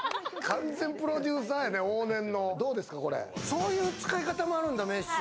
そういう使い方もあるんだ、メッシュ。